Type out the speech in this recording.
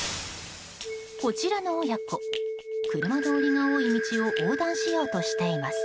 こちらの親子、車通りが多い道を横断しようとしています。